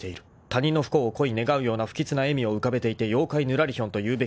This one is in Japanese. ［他人の不幸を請い願うような不吉な笑みを浮かべていて妖怪ぬらりひょんというべきだろう］